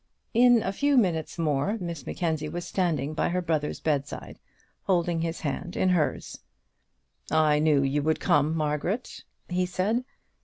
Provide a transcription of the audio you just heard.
In a few minutes more Miss Mackenzie was standing by her brother's bedside, holding his hand in hers. "I knew you would come, Margaret," he said.